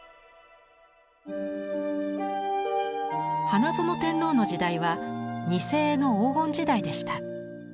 花園天皇の時代は「似絵」の黄金時代でした。